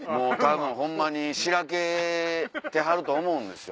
ホンマにしらけてはると思うんですよ。